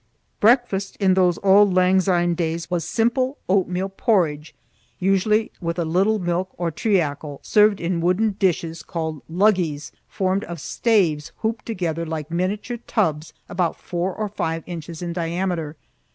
Breakfast in those auld lang syne days was simple oatmeal porridge, usually with a little milk or treacle, served in wooden dishes called "luggies," formed of staves hooped together like miniature tubs about four or five inches in diameter.